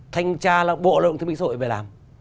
thanh tra bộ lao động thương binh xã hội về làm